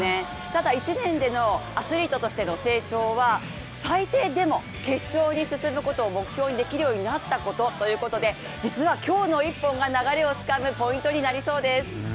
ただ１年でのアスリートとしての成長は最低でも決勝に進むことを目標にできるようになったということで、実は今日の一本が流れをつかむポイントになりそうです。